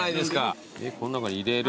こん中に入れる？